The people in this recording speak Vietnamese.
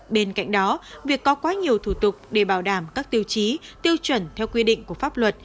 bên cạnh đó việc có quá nhiều thủ tục để bảo đảm các tiêu chí tiêu chuẩn theo quy định của pháp luật